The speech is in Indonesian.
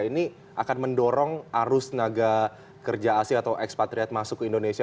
ini akan mendorong arus tenaga kerja asing atau ekspatriat masuk ke indonesia